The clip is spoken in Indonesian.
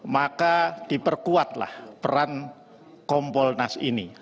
maka diperkuatlah peran kompolnas ini